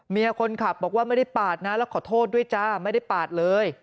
เมียคนขับบอกว่าไม่ได้ปาดนะแล้วขอโทษด้วยจ้าไม่ได้ปาดเลย